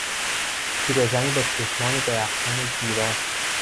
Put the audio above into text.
پیرزنی با چشمان درخشان و گیرا